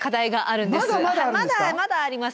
まだまだあります。